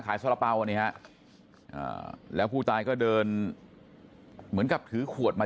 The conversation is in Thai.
สาระเป๋าอันนี้ฮะแล้วผู้ตายก็เดินเหมือนกับถือขวดมา